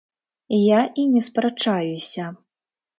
Я і не спрачаюся.